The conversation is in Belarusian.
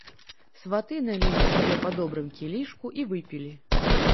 Сваты налілі сабе па добрым кілішку і выпілі.